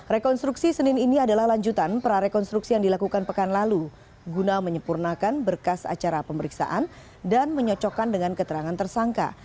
rekonstruksi senin ini adalah lanjutan prarekonstruksi yang dilakukan pekan lalu guna menyempurnakan berkas acara pemeriksaan dan menyocokkan dengan keterangan tersangka